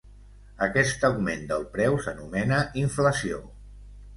Aquest augment del preu s'anomena inflació.